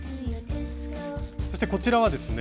そしてこちらはですね